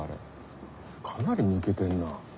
かなり抜けてんな。